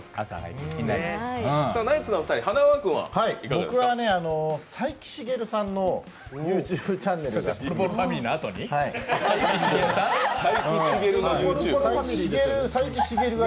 僕は斉木しげるさんのＹｏｕＴｕｂｅチャンネルが。